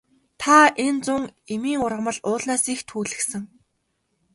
Та энэ зун эмийн ургамал уулнаас их түүлгэсэн.